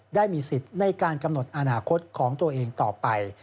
ได้มีสิทธิ์ในการกำหนดอนาคตของตัวเองต่อไป